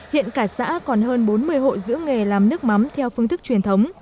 hiện cả xã còn hơn bốn mươi hộ giữ nghề làm nước mắm theo phương thức truyền thống